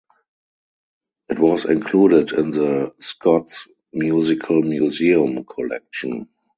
It was included in the "Scots Musical Museum" collection.